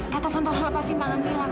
kak tovan tolong lepasin tangan ini lah kak